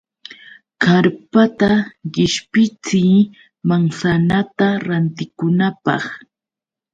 Karpata qishpichiy manzanata rantikunaapaq.